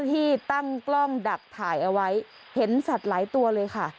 ที่ตั้งกล้องดักถ่ายเอาไว้เห็นสัตว์หลายตัวเลยค่ะ